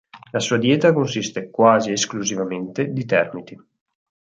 La sua dieta consiste quasi esclusivamente di termiti.